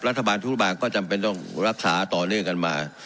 รัฐบาลทุกบาทก็จำเป็นต้องรักษาต่อเนื่องกันมา